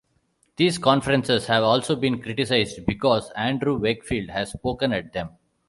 These conferences have also been criticized because Andrew Wakefield has spoken at them.